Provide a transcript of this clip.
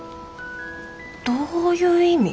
どういう意味？